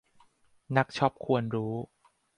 นักช้อปควรรู้